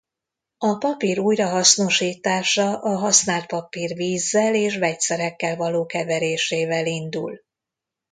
A papír újrahasznosítása a használt papír vízzel és vegyszerekkel való keverésével indul.